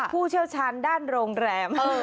ผู้เชี่ยวชาญด้านโรงแรม